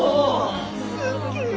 ・すっげえ！